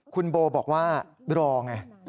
คุณโบบอกว่ารอไง